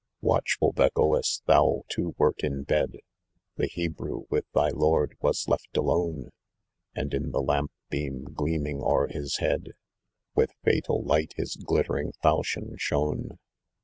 Watchful Bagoas, thou too wert in bed, The Hebrew with thy lord was left alone, And in the lamp beam gleaming o'er his head With fatal light, his glittering talchion shone.